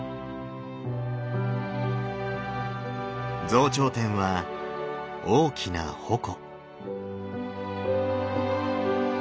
増長天は大きな矛。